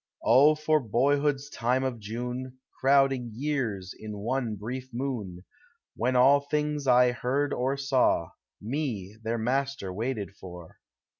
O for boyhood's time of June, Crowding years in one brief moon, When all things 1 heard or saw. Me, their master, waited for.